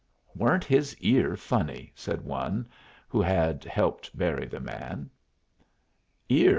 "Weren't his ear funny?" said one who had helped bury the man. "Ear?"